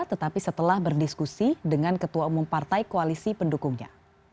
tetapi setelah berdiskusi dengan ketua umum partai koalisi pendukungnya